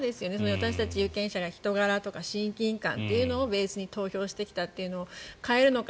私たち有権者は人柄とか親近感とかをベースに投票してきたというのを変えるのか。